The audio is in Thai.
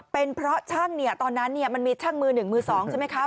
เป็นเพราะช่างตอนนั้นมันมีช่างมือหนึ่งมือสองใช่ไหมคะ